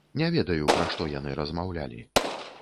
Не ведаю, пра што яны размаўлялі.